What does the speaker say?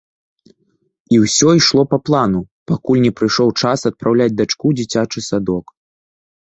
І ўсё ішло па плану, пакуль не прыйшоў час адпраўляць дачку ў дзіцячы садок.